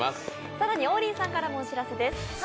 更に王林さんからお知らせです。